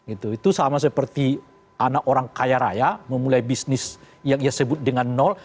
itu sama seperti anak orang kaya raya memulai bisnis yang ia sebut dengan nol